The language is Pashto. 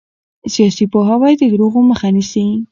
سیاسي پوهاوی د دروغو مخه نیسي